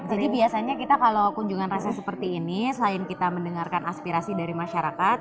jadi biasanya kita kalau kunjungan rasa seperti ini selain kita mendengarkan aspirasi dari masyarakat